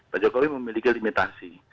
pak jokowi memiliki limitasi